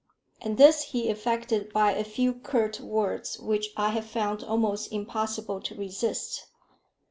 And this he effected by a few curt words which I have found almost impossible to resist.